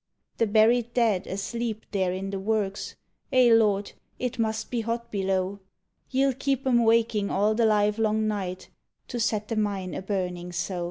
"The buried dead asleep there in the works Eh, Lord! It must be hot below! Ye 'll keep 'em waking all the livelong night, To set the mine a burning so!"